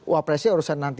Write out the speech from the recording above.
wapresnya urusan nanti